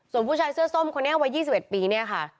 ส่วนผู้ชายเสื้อส้มคนนี้วัย๒๑ปีเนี่ยค่ะ